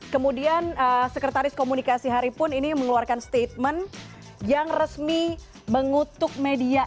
kemudian sekretaris komunikasi hari pun ini mengeluarkan statement yang resmi mengutuk media